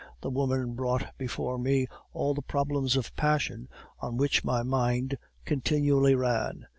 The woman brought before me all the problems of passion on which my mind continually ran.